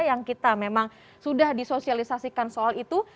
yang kita memang sudah disosialisasikan soal itu